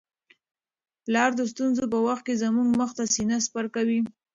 پلار د ستونزو په وخت کي زموږ مخ ته سینه سپر کوي.